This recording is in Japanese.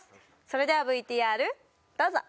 それではＶＴＲどうぞ！